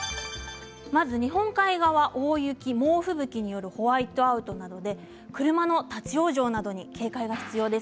まず日本海側は大雪、猛吹雪によるホワイトアウトなどで車の立往生に警戒が必要です。